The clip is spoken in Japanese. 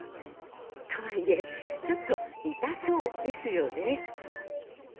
とはいえちょっと痛そうですよね。